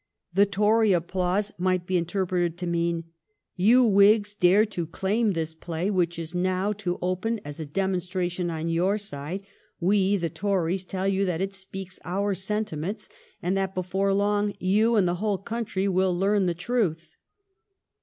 The Tory applause might be interpreted to mean :' You Whigs dare to claim this play which is now to open as a demonstration on your side ; we, the Tories, tell you that it speaks our sentiments, and that, before long, you and the whole country will learn the truth.'